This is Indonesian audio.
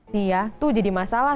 nih ya tuh jadi masalah